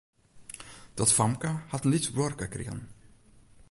Dat famke hat in lyts bruorke krigen.